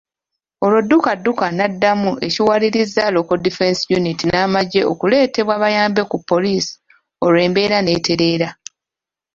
Olwo dduka dduka n'addamu ekiwalirizza Local Defence Unity n'amagye okuleetebwa bayambe ku poliisi olwo embeera n'etereera.